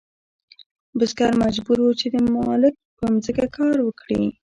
بزګر مجبور و چې د مالک په ځمکه کار وکړي.